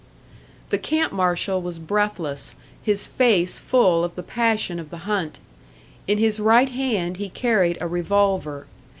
The camp marshal was breathless, his face full of the passion of the hunt. In his right hand he carried a revolver.